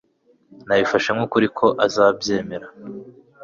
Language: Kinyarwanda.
Nabifashe nkukuri ko azabyemera